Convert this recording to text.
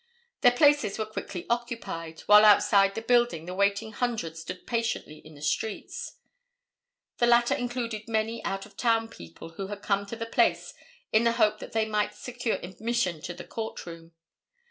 Their places were quickly occupied, while outside the building the waiting hundreds stood patiently in the streets. The latter included many out of town people, who had come to the place in the hope that they might secure admission to the court room.